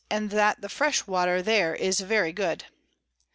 and that the fresh Water there is very good.